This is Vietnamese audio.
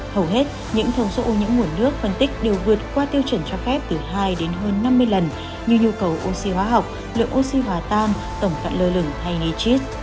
hầu hết những thông số những nguồn nước phân tích đều vượt qua tiêu chuẩn cho phép từ hai đến hơn năm mươi lần như nhu cầu oxy hóa học lượng oxy hóa tan tổng cận lơ lửng hay nitrit